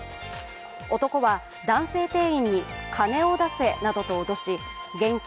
男は男性店員に金を出せなどと脅し現金